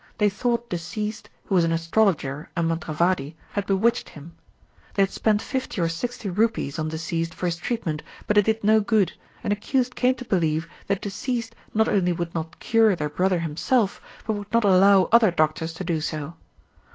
They thought deceased, who was an astrologer and mantravadi, had bewitched him. They had spent fifty or sixty rupees on deceased for his treatment, but it did no good, and accused came to believe that deceased not only would not cure their brother himself, but would not allow other doctors to do so.